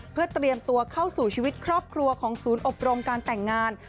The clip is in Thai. เพื่อเตรียมตัวเข้าสู่ชีวิตครอบครัวของศูนย์อบรมการแต่งงาน